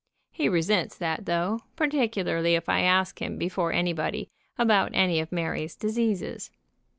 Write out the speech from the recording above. He resents that though, particularly if I ask him before anybody about any of Mary's diseases.